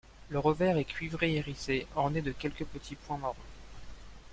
Le revers est cuivré irisé orné de quelques petits points marron.